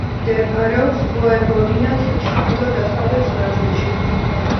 მდებარეობს ვოევოდინას ჩრდილო-დასავლეთ ნაწილში.